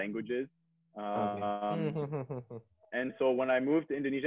dan jadi ketika saya pindah ke indonesia